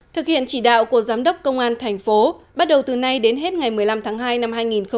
thực hiện chỉ đạo của giám đốc công an thành phố bắt đầu từ nay đến hết ngày một mươi năm tháng hai năm hai nghìn hai mươi